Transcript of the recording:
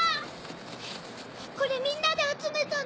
これみんなで集めたの。